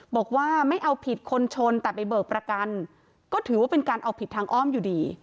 บอกว่าไม่เอาผิดคนชนแต่ไปเบิกประกันก็ถือว่าเป็นการเอาผิดทางอ้อมอยู่ดี